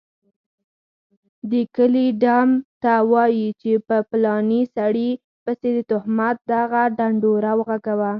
دکلي ډم ته وايي چي په پلاني سړي پسي دتهمت دغه ډنډوره وغږوه